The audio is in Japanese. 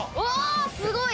すごい！